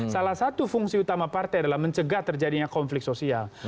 salah satu fungsi utama partai adalah mencegah terjadinya konflik sosial